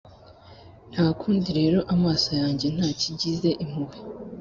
Nta kundi rero, amaso yanjye ntakigize impuhwe.